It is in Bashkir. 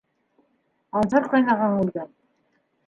Ансар ҡайнағаң үлгән.